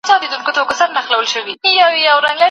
د سرچینو ښه مدیریت د اقتصاد وده چټکوي.